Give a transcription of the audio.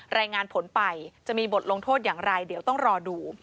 รายงานผลไปจะมีบทลงโทษอย่างไรเดี๋ยวต้องรอดู